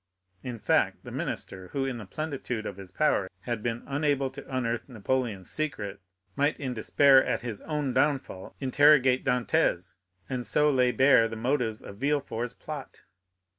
In fact, the minister, who, in the plenitude of his power, had been unable to unearth Napoleon's secret, might in despair at his own downfall interrogate Dantès and so lay bare the motives of Villefort's plot.